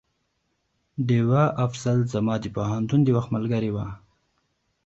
ډيوه افصل زما د پوهنتون د وخت ملګرې وه